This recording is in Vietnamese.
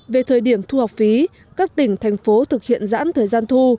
về thời điểm thu học phí các tỉnh thành phố thực hiện giãn thời gian thu